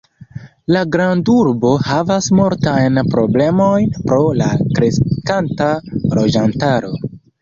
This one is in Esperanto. La grandurbo havas multajn problemojn pro la kreskanta loĝantaro.